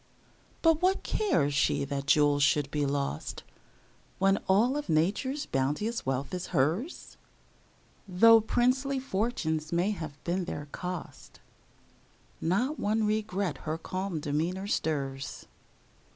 But what cares she that jewels should be lost, When all of Nature's bounteous wealth is hers? Though princely fortunes may have been their cost, Not one regret her calm demeanor stirs.